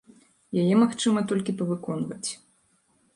Яе магчыма толькі павыконваць.